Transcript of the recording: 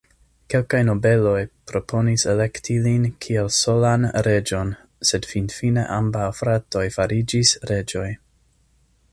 Kelkaj nobeloj proponis elekti lin kiel solan reĝon, sed finfine ambaŭ fratoj fariĝis reĝoj.